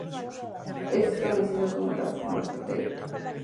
Es conocida por tener la forma de una llave.